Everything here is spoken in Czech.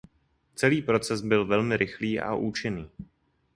Celý proces byl velmi rychlý a účinný.